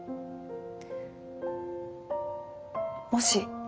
もし。